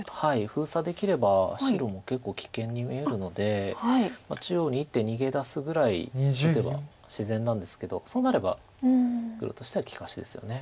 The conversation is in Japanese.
封鎖できれば白も結構危険に見えるので中央に１手逃げ出すぐらい打てば自然なんですけどそうなれば黒としては利かしですよね。